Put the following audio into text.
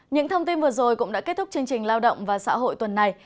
những thông tin vừa rồi cũng đã kết thúc chương trình lao động và xã hội tuần này